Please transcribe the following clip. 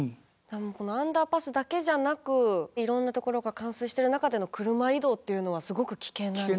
このアンダーパスだけじゃなくいろんなところが冠水してる中での車移動っていうのはすごく危険なんですね。